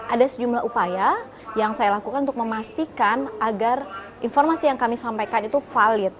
ada sejumlah upaya yang saya lakukan untuk memastikan agar informasi yang kami sampaikan itu valid